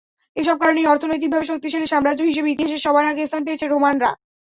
এসব কারণেই অর্থনৈতিকভাবে শক্তিশালী সাম্রাজ্য হিসেবে ইতিহাসের সবার আগে স্থান পেয়েছে রোমানরা।